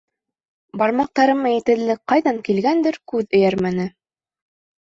Бармаҡтарыма етеҙлек ҡайҙан килгәндер, күҙ эйәрмәне.